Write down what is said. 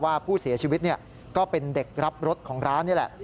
ว่าผู้เสียชีวิตก็เป็นเด็กรับรถของร้านนี่แหละ